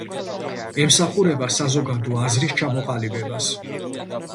ემსახურება საზოგადო აზრის ჩამოყალიბებას.